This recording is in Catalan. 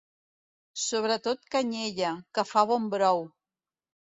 Sobretot canyella, que fa bon brou!